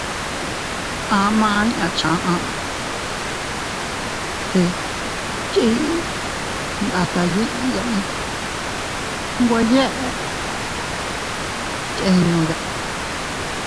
Ama inña chaʼa see chii ndatta yiʼiyane nwe ytennoya.